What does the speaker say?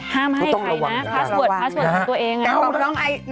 ห้ามให้ใครนะพาสเวิร์ดพาสเวิร์ดของตัวเอง